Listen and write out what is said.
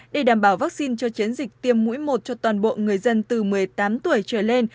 để đảm bảo vaccine cho chiến dịch tiêm mũi một cho toàn bộ người dân từ một mươi tám tuổi trở lên